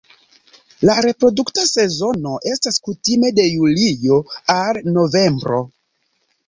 La reprodukta sezono estas kutime de julio al novembro.